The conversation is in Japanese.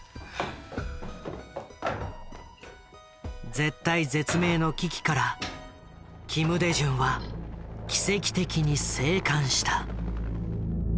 絶体絶命の危機から金大中は奇跡的に生還した。